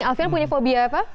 alfian punya fobia apa